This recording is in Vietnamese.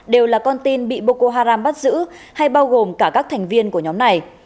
đều là con tin bị boko haram bắt giữ hay bao gồm cả các thành viên của nhóm này